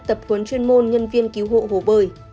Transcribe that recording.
tập huấn chuyên môn nhân viên cứu hộ hồ bơi